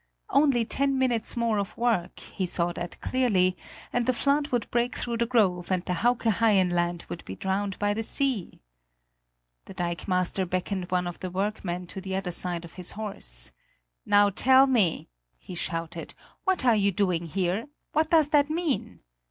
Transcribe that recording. Only ten minutes more of work he saw that clearly and the flood would break through the groove and the Hauke Haien land would be drowned by the sea! The dikemaster beckoned one of the workmen to the other side of his horse. "Now, tell me," he shouted, "what are you doing here? What does that mean?"